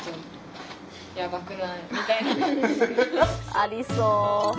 ありそう。